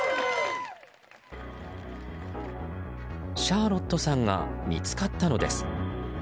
シャーロットさんが見つかったのです。